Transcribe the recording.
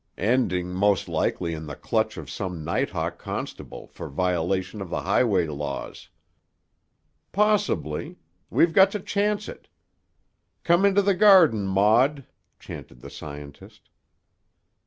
"Ending, most likely, in the clutch of some night hawk constable for violation of the highway laws." "Possibly. We've got to chance it. 'Come into the garden, Maud,'" chanted the scientist.